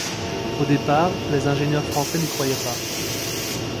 Au départ, les ingénieurs français n’y croyaient pas.